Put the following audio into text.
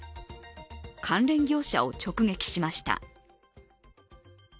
関連業者を直撃しました。